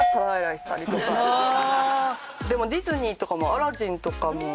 でもディズニーとかも『アラジン』とかも。